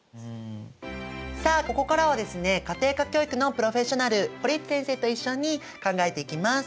さあここからはですね家庭科教育のプロフェッショナル堀内先生と一緒に考えていきます。